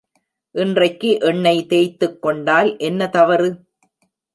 இன்றைக்கு எண்ணெய் தேய்த்துக்கொண்டால் என்ன தவறு?